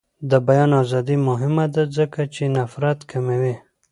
د بیان ازادي مهمه ده ځکه چې نفرت کموي.